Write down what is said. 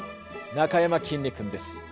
なかやまきんに君です。